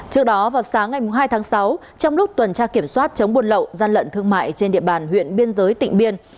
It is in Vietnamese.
trước đó vào sáng ngày hai tháng sáu trong lúc tuần tra kiểm soát chống buôn lậu gian lận thương mại trên địa bàn huyện biên giới tỉnh biên